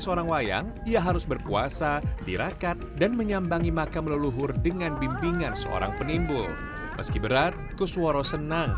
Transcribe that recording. sampai berapa lama biasanya disembuhkan